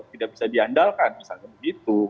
tidak bisa diandalkan misalnya begitu